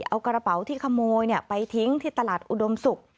เอากระเป๋าที่ขโมยไปทิ้งที่ตลาดอุดมศุกร์